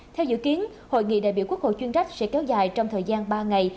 theo dự kiến hội nghị đại biểu quốc hội chuyên trách sẽ kéo dài trong thời gian ba ngày